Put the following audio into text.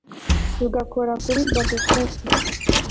rugakora kuri dabesheti